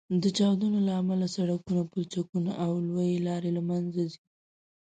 د چاودنو له امله سړکونه، پولچکونه او لویې لارې له منځه ځي